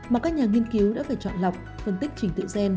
mà các nhà nghiên cứu đã phải chọn lọc phân tích trình tự gen